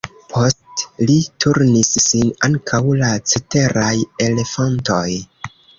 Post li turnis sin ankaŭ la ceteraj elefantoj.